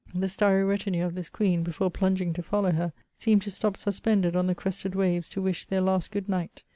The starry retinue of this queen, before plunging to follow her, seem to stop suspended on the crested waves to wish their last good night.